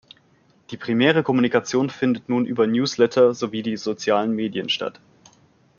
Die primäre Kommunikation findet nun über Newsletter sowie die sozialen Medien statt.